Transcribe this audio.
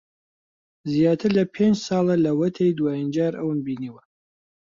زیاتر لە پێنج ساڵە لەوەتەی دوایین جار ئەوم بینیوە.